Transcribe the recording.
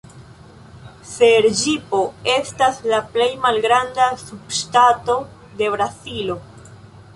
Serĝipo estas la plej malgranda subŝtato de Brazilo.